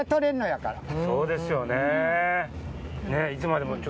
そうですよね。